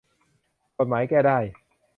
กฎหมายแก้ได้